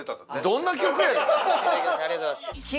どんな曲やねん！